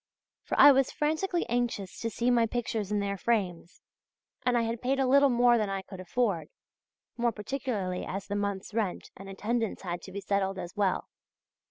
For I was frantically anxious to see my pictures in their frames and had paid a little more than I could afford, more particularly as the month's rent and attendance had to be settled as well.